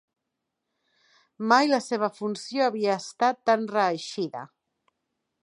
Mai la seva funció havia estat tan reeixida.